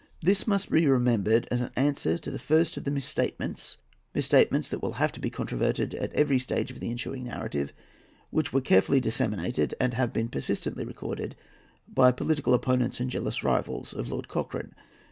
This must be remembered as an answer to the first of the misstatements—misstatements that will have to be controverted at every stage of the ensuing narrative—which were carefully disseminated, and have been persistently recorded by political opponents and jealous rivals of Lord Cochrane.